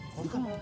oh itu kan mau